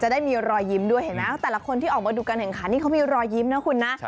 ได้มีรอยยิ้มด้วยเห็นไหมแต่ละคนที่ออกมาดูการแข่งขันนี่เขามีรอยยิ้มนะคุณนะ